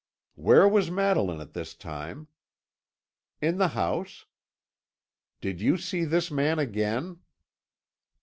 "Where was Madeline at this time?" "In the house." "Did you see this man again?"